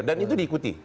dan itu diikuti